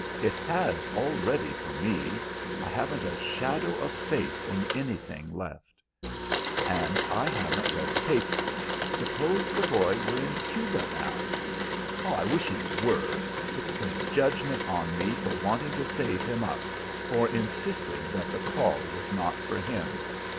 "It has already for me. I haven't a shadow of faith in anything left." "And I haven't read the paper. Suppose the boy were in Cuba now!" "I wish he were! It is a judgment on me for wanting to save him up, for insisting that the call was not for him."